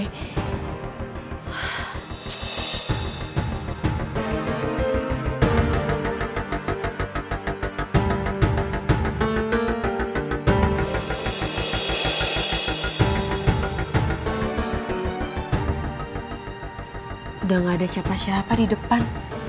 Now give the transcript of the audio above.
udah gak ada siapa siapa di depan